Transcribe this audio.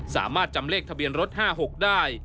สามารถจำเลขทะเบียนรถ๕๖ได้